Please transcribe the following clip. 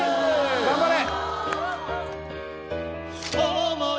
頑張れ